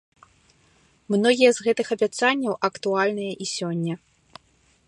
Многія з гэтых абяцанняў актуальныя і сёння.